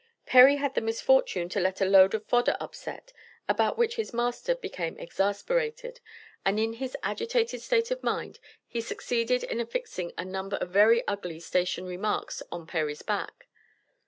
Perry had the misfortune to let a "load of fodder upset," about which his master became exasperated, and in his agitated state of mind he succeeded in affixing a number of very ugly stationary marks on Perry's back.